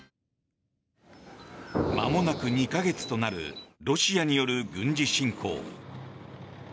まもなく２か月となるロシアによる軍事侵攻。